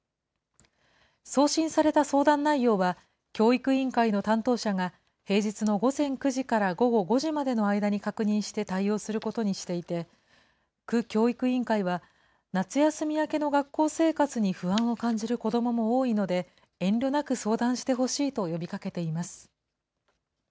送信された相談内容は、教育委員会の担当者が、平日の午前９時から午後５時までの間に確認して対応することにしていて、区教育委員会は、夏休み明けの学校生活に不安を感じる子どもも多いので、遠慮なく相談してほしいと呼びかけています。